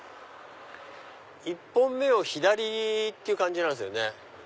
１本目を左って感じなんですよね。